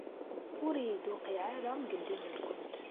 Ur iyi-d-tewqiɛ ara seg ddin-nkent.